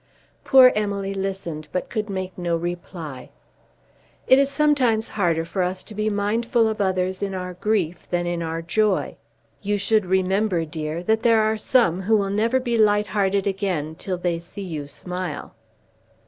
Poor Emily listened but could make no reply. "It is sometimes harder for us to be mindful of others in our grief than in our joy. You should remember, dear, that there are some who will never be light hearted again till they see you smile."